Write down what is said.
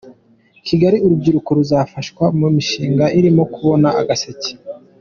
Kigali Urubyiruko ruzafashwa mu mishinga irimo kuboha Agaseke